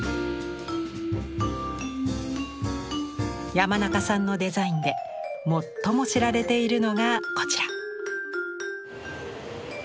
山中さんのデザインで最も知られているのがこちら。